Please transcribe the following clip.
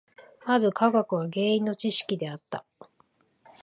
まず科学は原因の知識であった。